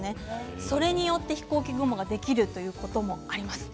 そこによって飛行機雲ができるということもあります。